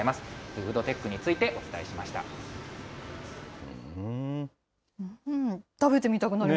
フードテックについてお伝えしました。